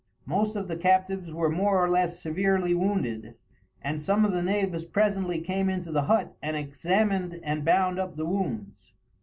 Most of the captives were more or less severely wounded, and some of the natives presently came into the hut and examined and bound up the wounds.